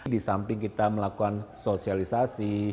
di samping kita melakukan sosialisasi